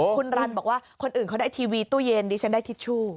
คุณรันบอกว่าคนอื่นเขาได้ทีวีตู้เย็นดิฉันได้ทิชชู่